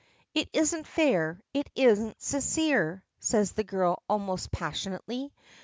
"It isn't fair it isn't sincere," says the girl almost passionately.